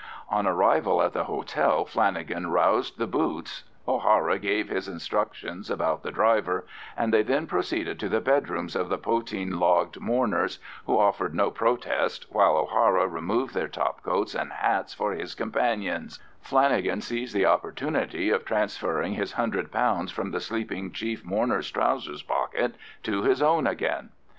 On arrival at the hotel Flanagan roused the boots, O'Hara gave his instructions about the driver, and they then proceeded to the bedrooms of the poteen logged mourners, who offered no protest while O'Hara removed their topcoats and hats for his companions, Flanagan seizing the opportunity of transferring his £100 from the sleeping chief mourner's trousers pocket to his own again.